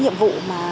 nhiệm vụ mà